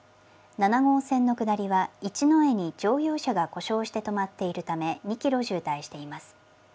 ７号線の下りは一之江に乗用車が故障して止まっているため、２キロ渋滞しています。